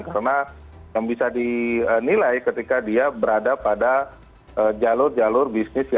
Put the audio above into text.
karena yang bisa dinilai ketika dia berada pada jalur jalur bisnis